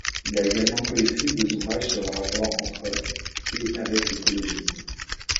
Il a également coécrit deux ouvrages sur le rapport entre et avec l'écologisme.